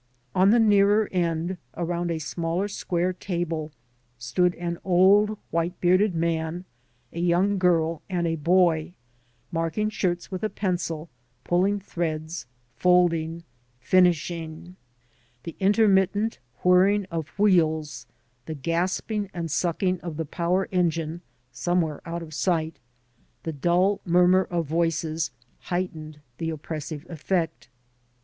On the nearer end, around a smaller square table, stood an old, white bearded man, a young girl, and a boy, marking shirts with a pencil, pulling threads, folding, "finishing." The intermittent whirring of wheels, the gasping and sucking of the power engine (somewhere out of sight), the dull murmur of voices, heightened the oppressive eflFect.